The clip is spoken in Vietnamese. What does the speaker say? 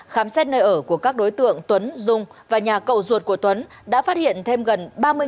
khám xét nơi ở của các đối tượng tuấn dung và nhà cậu ruột của tuấn đã phát hiện thêm gần ba mươi